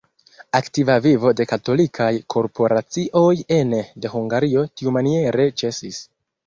Aktiva vivo de katolikaj korporacioj ene de Hungario tiumaniere ĉesis.